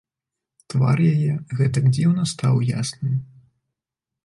Твар яе гэтак дзіўна стаў ясным.